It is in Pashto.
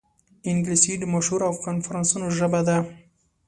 انګلیسي د مشورو او کنفرانسونو ژبه ده